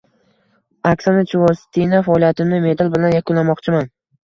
Oksana Chusovitina: Faoliyatimni medal bilan yakunlamoqchiman